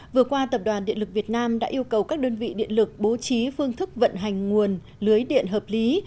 vừa qua tập đoàn điện lực việt nam đã yêu cầu các đơn vị điện lực bố trí phương thức vận hành nguồn lưới điện hợp lý